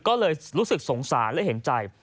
ก็เลยรู้สึกสงสารและเห็นใจ